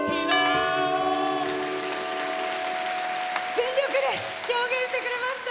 全力で表現してくれました。